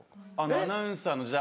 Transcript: アナウンサーの時代。